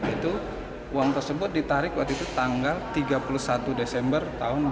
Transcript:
itu uang tersebut ditarik waktu itu tanggal tiga puluh satu desember